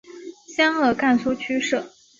湘鄂赣苏区设。